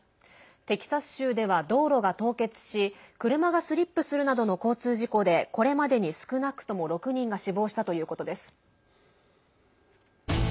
テキサス州では道路が凍結し車がスリップするなどの交通事故でこれまでに少なくとも６人が死亡したということです。